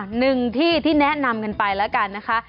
หนึ่งที่ที่แนะนำกันไปแล้วกันนะคะ